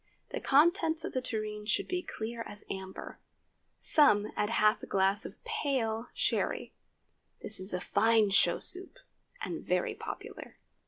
The contents of the tureen should be clear as amber. Some add half a glass of pale Sherry. This is a fine show soup, and very popular.